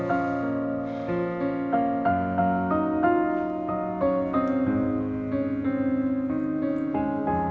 aku jedain berarti kode gue udah lebih bagus